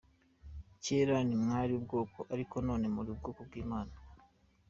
Kera ntimwari ubwoko ariko none muri ubwoko bw’Imana.